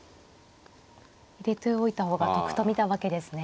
入れておいた方が得と見たわけですね。